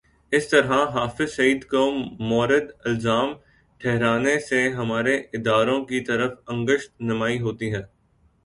اس طرح حافظ سعید کو مورد الزام ٹھہرانے سے ہمارے اداروں کی طرف انگشت نمائی ہوتی ہے۔